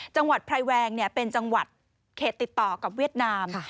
จังหวัดพรายแวงเนี่ยเป็นจังหวัดเขตติดต่อกับเวียดนามค่ะ